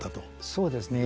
そうですね。